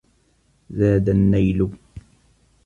زَادَ النَّيْلُ.